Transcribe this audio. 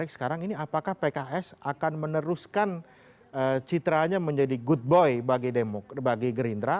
sekarang ini apakah pks akan meneruskan citranya menjadi good boy bagi gerindra